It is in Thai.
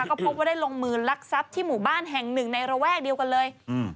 ก็พบว่าได้ลงมือลักทรัพย์ที่หมู่บ้านแห่งหนึ่งในระแวกเดียวกันเลยอืม